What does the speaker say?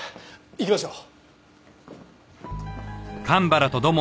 行きましょう。